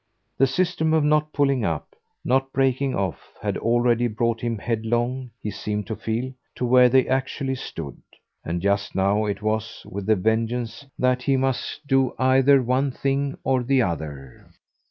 The system of not pulling up, not breaking off, had already brought him headlong, he seemed to feel, to where they actually stood; and just now it was, with a vengeance, that he must do either one thing or the other.